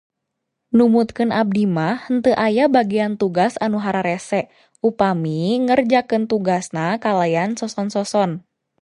Numutkeun abdi mah, teu aya bagean tugas anu hararese, upami ngerjakeun tugasna kalayan soson-soson